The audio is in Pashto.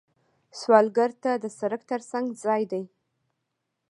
سوالګر ته د سړک تر څنګ ځای دی